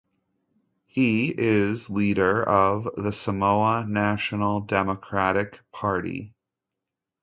He is leader of the Samoa National Democratic Party.